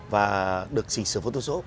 và được chỉnh sửa photoshop